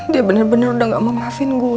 dia bener bener udah gak mau maafin gue